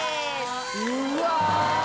うわ！